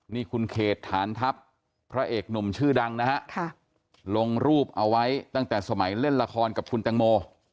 นิขุนเขตฐานทัพพระเอกหนมชื่อดังลงรูปเอาไว้ตั้งแต่สมัยเล่นลักษณ์กับคุณตั้งโม